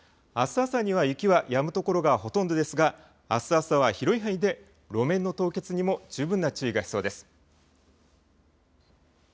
あす朝には雪はやむ所がほとんどですが、あす朝は広い範囲で路面の凍結にも十分な注意が必要です。